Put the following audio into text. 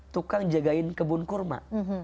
tukang jagain kebun kurma